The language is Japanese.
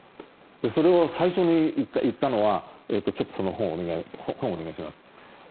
それを最初に言ったのはその本をお願いします。